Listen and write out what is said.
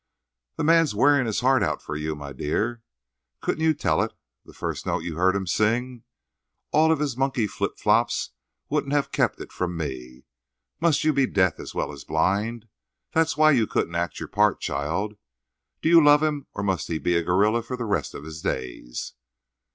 "The man's wearing his heart out for you, my dear. Couldn't you tell it the first note you heard him sing? All of his monkey flip flops wouldn't have kept it from me. Must you be deaf as well as blind? That's why you couldn't act your part, child. Do you love him or must he be a gorilla for the rest of his days?"